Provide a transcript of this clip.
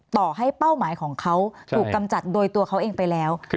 ต่อให้เป้าหมายของเขาถูกกำจัดโดยตัวเขาเองไปแล้ว